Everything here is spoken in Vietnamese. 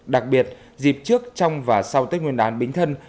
đặc biệt dịp trước trong và sau tết nguyên đán bính thân